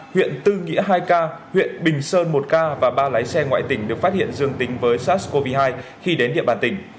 huyện tư nghĩa hai ca huyện bình sơn một ca và ba lái xe ngoại tỉnh được phát hiện dương tính với sars cov hai khi đến địa bàn tỉnh